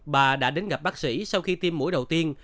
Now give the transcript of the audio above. bà đã đến gặp bác sĩ sau khi tiêm mũi đầu tiên